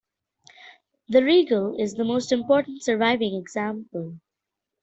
The Regal is the most important surviving example.